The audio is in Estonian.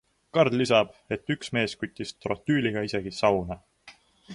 Karl lisab, et üks mees küttis trotüüliga isegi sauna.